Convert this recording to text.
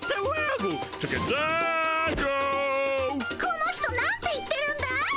この人なんて言ってるんだい？